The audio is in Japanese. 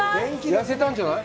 痩せたんじゃない？